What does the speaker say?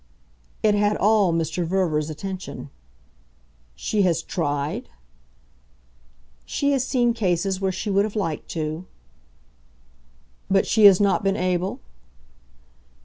It had all Mr. Verver's attention. "She has 'tried' ?" "She has seen cases where she would have liked to." "But she has not been able?"